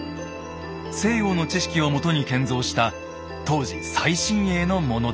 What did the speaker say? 西洋の知識をもとに建造した当時最新鋭のものでした。